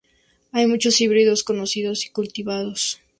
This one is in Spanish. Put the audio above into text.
Hay muchos híbridos conocidos y cultivados.